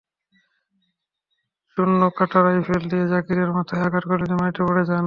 চুন্নু কাটা রাইফেল দিয়ে জাকিরের মাথায় আঘাত করলে তিনি মাটিতে পড়ে যান।